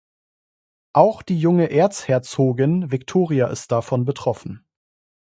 Auch die junge Erzherzogin Viktoria ist davon betroffen.